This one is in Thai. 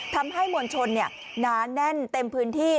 ทำให้มวลชนหนาแน่นเต็มพื้นที่